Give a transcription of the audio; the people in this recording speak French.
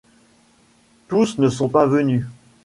Tous ne sont pas venus.